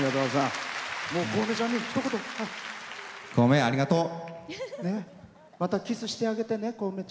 幸芽、ありがとう。